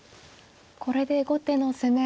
これで後手の攻めを一旦。